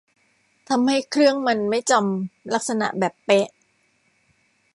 ทำให้เครื่องมันไม่จำลักษณะแบบเป๊ะ